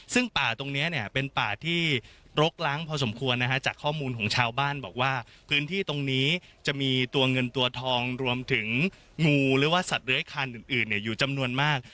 ซึ่งป่าตรงนี้เนี่ยเป็นป่าที่รกล้างพอสมควรนะฮะจากข้อมูลของชาวบ้านบอกว่าพื้นที่ตรงนี้จะมีตัวเงินตัวทองรวมถึงงูหรือว่าสัตว์เลื้อยคันอื่นอยู่จำนวนมาก